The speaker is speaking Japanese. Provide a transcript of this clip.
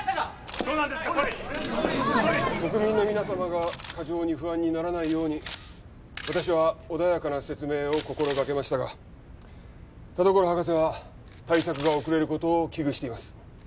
総理総理国民の皆様が過剰に不安にならないように私は穏やかな説明を心がけましたが田所博士は対策が遅れることを危惧しています